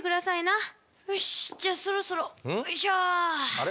あれ？